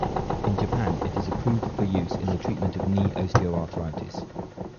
In Japan it is approved for use in the treatment of knee osteoarthritis.